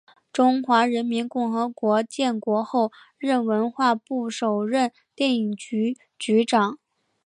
中华人民共和国建国后任文化部首任电影局局长。